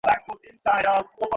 ওরা কিছু একটা খুঁজে পেয়েছে!